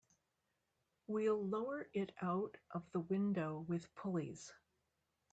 We'll lower it out of the window with pulleys.